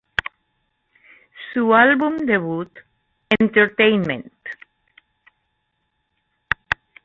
Su álbum debut, "Entertainment!